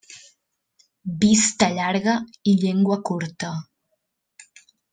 Vista llarga i llengua curta.